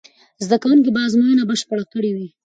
زده کوونکي به ازموینه بشپړه کړې وي.